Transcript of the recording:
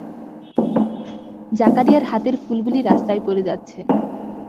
জাকারিয়ার হাতের ফুলগুলি রাস্তায় পড়ে যাচ্ছে।